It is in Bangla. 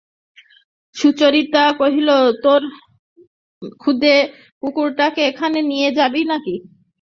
সুচরিতা কহিল, তোর খুদে কুকুরটাকে সেখানে নিয়ে যাবি নাকি?